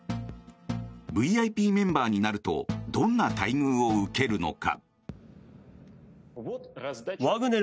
ＶＩＰメンバーになるとどんな待遇を受けるのか？